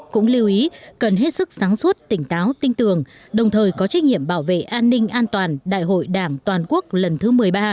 cũng lưu ý cần hết sức sáng suốt tỉnh táo tinh tường đồng thời có trách nhiệm bảo vệ an ninh an toàn đại hội đảng toàn quốc lần thứ một mươi ba